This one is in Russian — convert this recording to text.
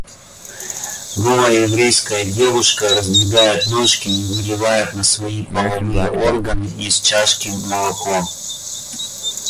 Голая еврейская девушка раздвигает ножки и выливает на свои половые органы из чашки молоко.